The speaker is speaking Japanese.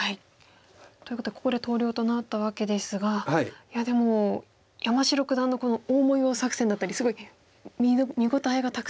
ということでここで投了となったわけですがいやでも山城九段のこの大模様作戦だったりすごい見応えがたくさん。